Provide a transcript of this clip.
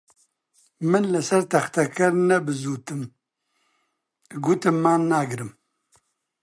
من لەسەر تەختەکەم نەبزووتم، گوتم مان ناگرم